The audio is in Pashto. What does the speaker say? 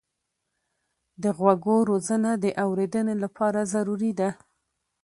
د غوږو روزنه د اورېدنې لپاره ضروري ده.